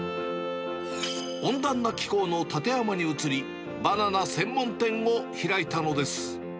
温暖な気候のたてやまに移り、バナナ専門店を開いたのです。